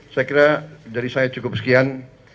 saya kira dari saya cukup sekian